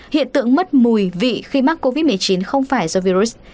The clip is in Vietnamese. hiện tượng mất mùi vị khi mắc covid một mươi chín không phải do virus